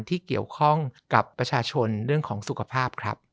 ที่เกี่ยวข้องกับประชาชนเรื่องของสุขภาพครับ